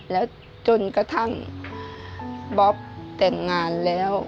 แล้วจนกระทั่งบ๊อบแต่งงานแล้ว